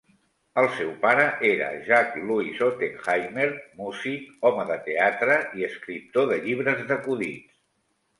El seu pare era Jack Lewis Ottenheimer, músic, home de teatre i escriptor de llibres d'acudits.